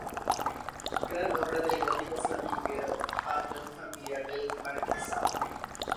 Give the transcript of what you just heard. Gran obra del gótico flamígero, panteón familiar del marquesado.